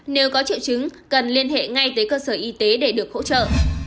nếu có triệu chứng cần liên hệ ngay tới cơ sở y tế để được hỗ trợ